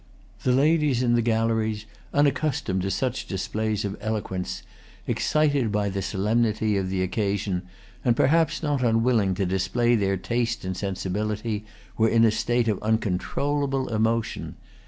The ladies in the galleries, unaccustomed to such displays of eloquence, excited by the solemnity of the occasion, and perhaps not unwilling to display their taste and sensibility, were in a state of uncontrollable emotion.